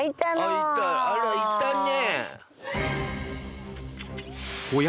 あらいたね。